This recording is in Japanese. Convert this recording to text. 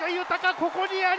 ここにあり！